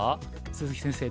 鈴木先生